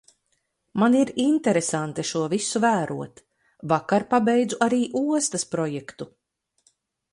Man ir interesanti šo visu vērot. Vakar pabeidzu arī ostas projektu.